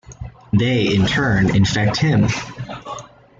They, in turn, infect him.